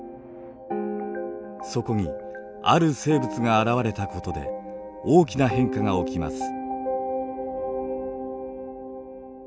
そこにある生物が現れたことで大きな変化が起きます。